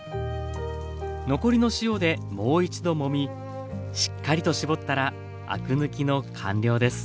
残りの塩でもう一度もみしっかりと絞ったらアク抜きの完了です。